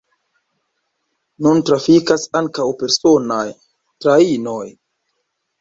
Nun trafikas ankaŭ personaj trajnoj.